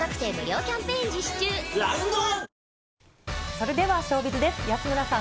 それではショービズです。